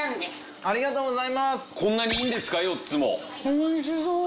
おいしそう！